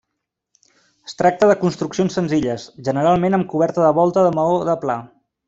Es tracta de construccions senzilles, generalment amb coberta de volta de maó de pla.